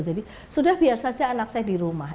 jadi sudah biar saja anak saya di rumah